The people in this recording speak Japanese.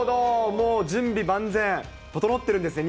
もう準備万全、整ってるんですね。